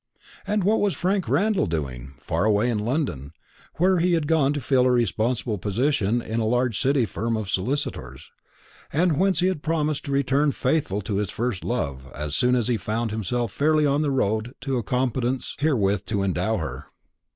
and what was Frank Randall doing, far away in London, where he had gone to fill a responsible position in a large City firm of solicitors, and whence he had promised to return faithful to his first love, as soon as he found himself fairly on the road to a competence wherewith to endow her?